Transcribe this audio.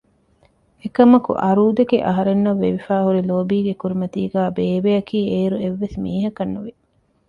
އެކަމަކު އަރޫދެކެ އަހަރެންނަށް ވެވިފައިހުރި ލޯބީގެ ކުރިމަތީގައި ބޭބެއަކީ އޭރު އެއްވެސް މީހަކަށް ނުވި